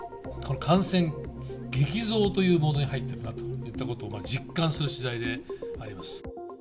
感染激増というモードに入っているなといったことを実感するしだいであります。